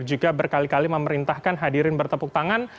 juga berkali kali memerintahkan hadirin bertepuk tangan